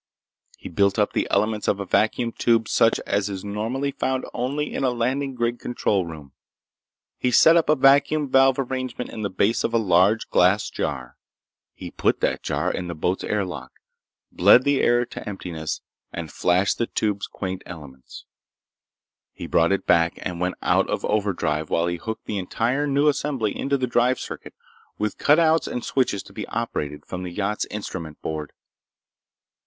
He built up the elements of a vacuum tube such as is normally found only in a landing grid control room. He set up a vacuum valve arrangement in the base of a large glass jar. He put that jar in the boat's air lock, bled the air to emptiness, and flashed the tube's quaint elements. He brought it back and went out of overdrive while he hooked the entire new assembly into the drive circuit, with cut outs and switches to be operated from the yacht's instrument board.